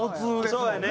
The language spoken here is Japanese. そうやね。